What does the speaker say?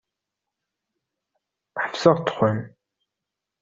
Ḥebseɣ dexxan.